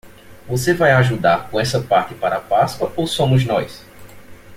Você vai ajudar com essa parte para a Páscoa ou somos nós?